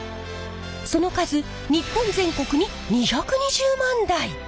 その数日本全国に２２０万台！